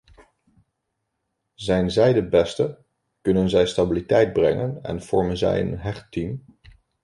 Zijn zij de besten, kunnen zij stabiliteit brengen en vormen zij een hecht team?